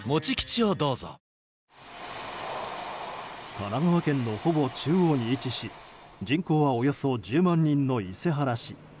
神奈川県のほぼ中央に位置し人口はおよそ１０万人の伊勢原市。